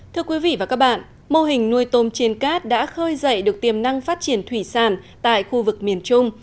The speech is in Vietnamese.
thưa quý vị và các bạn mô hình nuôi tôm trên cát đã khơi dậy được tiềm năng phát triển thủy sản tại khu vực miền trung